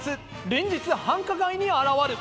連日繁華街に現る！」。